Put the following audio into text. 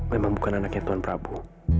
memang bukan anaknya tuhan prabu